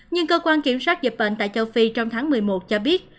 nhưng cơ quan kiểm soát dịch bệnh tại châu phi trong tháng một mươi một cho biết